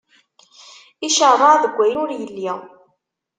Iceṛṛeɛ deg wayen ur yelli.